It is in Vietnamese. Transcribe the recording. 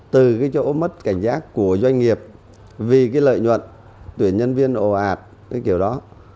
từ cái chỗ mất cảnh giác của doanh nghiệp vì cái lợi nhuận tuyển nhân viên ồ ạt tới kiểu đó